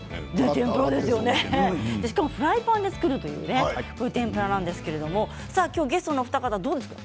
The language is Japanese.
しかも、フライパンで作るという天ぷらなんですけども今日ゲストのお二方はどうですか？